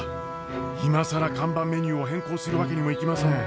今更看板メニューを変更するわけにもいきません。